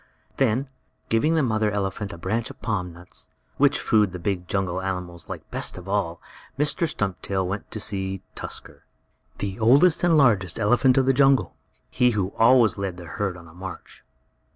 Then, giving the mother elephant a branch of palm nuts, which food the big jungle animals like best of all, Mr. Stumptail went to see Tusker, the oldest and largest elephant of the jungle he who always led the herd on the march.